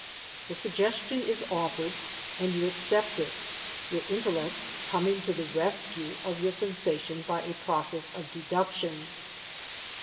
The suggestion is offered, and you accept it, your intellect coming to the rescue of your sensation by a process of deduction.